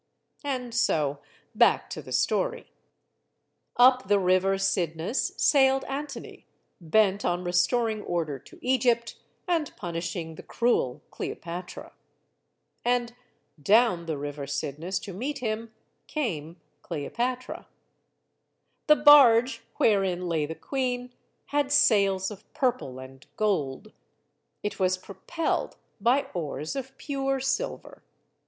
And so back to the story. Up the River Cydnus sailed Antony, bent on restor ing order to Egypt and punishing the cruel Cleopatra. And down the River Cydnus to meet him came Cleopatra. The barge, wherein lay the queen, had sails of pur ple and gold. It was propelled by oars of pure silver.